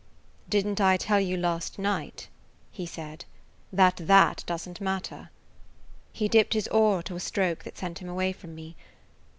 "Did n't I tell you last night," he said, "that that doesn't matter?" He dipped his oar to a stroke that sent him away from me.